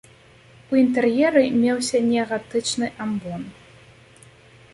У інтэр'еры меўся неагатычны амбон.